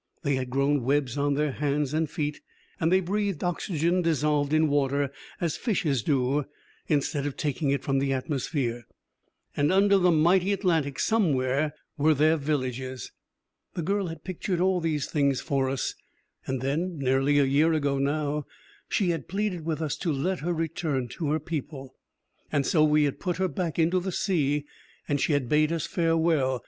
They had grown webs on their hands and feet, and they breathed oxygen dissolved in water, as fishes do, instead of taking it from the atmosphere. And under the mighty Atlantic, somewhere, were their villages. The girl had pictured all these things for us, and then nearly a year ago, now she had pleaded with us to let her return to her people. And so we had put her back into the sea, and she had bade us farewell.